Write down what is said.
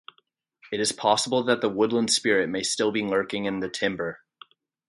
It is possible that the woodland spirit may still be lurking in the timber.